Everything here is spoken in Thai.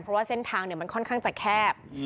เพราะว่าเส้นทางมันค่อนข้างจะแคบ